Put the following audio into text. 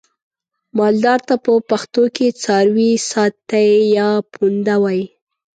مالدار ته په پښتو کې څارويساتی یا پوونده وایي.